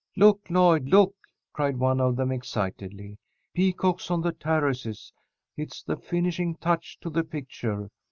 "Look, Lloyd, look!" cried one of them, excitedly. "Peacocks on the terraces! It's the finishing touch to the picture.